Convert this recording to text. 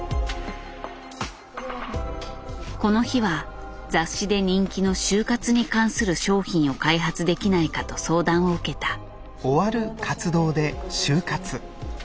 この日は雑誌で人気の「終活」に関する商品を開発できないかと相談を受けた。